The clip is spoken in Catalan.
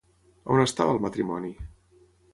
On estava el matrimoni?